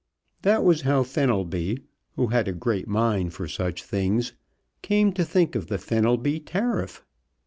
That was how Fenelby, who had a great mind for such things, came to think of the Fenelby tariff.